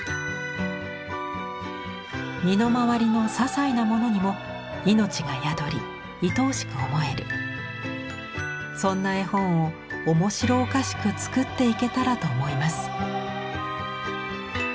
「身のまわりのささいなものにもいのちがやどりいとおしく思えるそんな絵本をおもしろおかしく作っていけたらと思います」。